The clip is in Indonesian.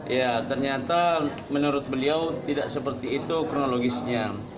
ya ternyata menurut beliau tidak seperti itu kronologisnya